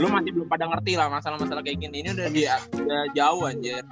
lu masih belum pada ngerti lah masalah masalah kaya gini ini udah jauh anjir